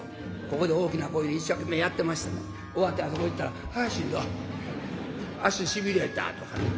ここで大きな声で一生懸命やってましても終わってあそこ行ったら「あしんど。足しびれた」とかね。